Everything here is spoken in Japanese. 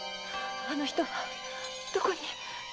あの人はどこに？